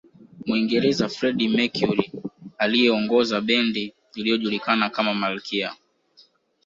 Muingereza Freddie Mercury aliyeongoza bendi iliyojulikana kama malkia